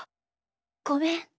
ごめん。